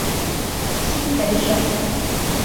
西北省